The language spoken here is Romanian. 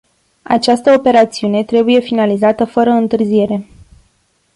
Această operațiune trebuie finalizată fără întârziere.